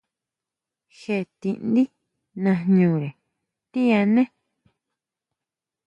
Jé tindí najñure tíʼané.